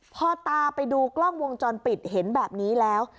พอตาไปดูกล้องวงจรปิดเห็นแบบนี้แล้ว